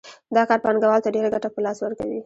دا کار پانګوال ته ډېره ګټه په لاس ورکوي